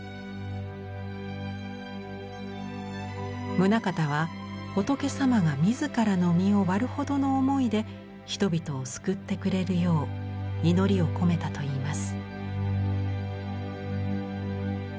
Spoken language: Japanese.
棟方は仏様が自らの身を割るほどの思いで人々を救ってくれるよう祈りを込めたといいます。